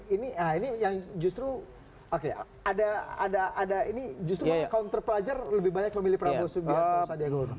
ini yang justru oke ada ini justru kaum terpelajar lebih banyak memilih prabowo subianto